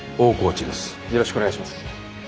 よろしくお願いします。